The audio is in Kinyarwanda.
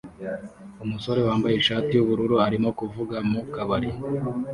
Umusore wambaye ishati yubururu arimo kuvuga mu kabari